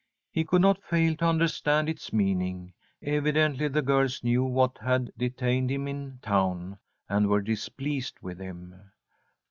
He could not fail to understand its meaning. Evidently the girls knew what had detained him in town and were displeased with him.